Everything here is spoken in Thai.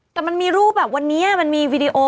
แต่มันมีรูปแบบวันนี้มันมีวีดีโอ